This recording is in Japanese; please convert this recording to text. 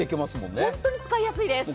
本当に使いやすいです。